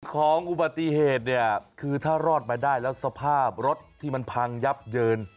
ของอุบัติเหตุเนี่ยคือถ้ารอดมาได้แล้วสภาพรถที่มันพังยับเยิน